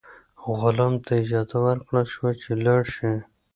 غلام ته اجازه ورکړل شوه چې لاړ شي.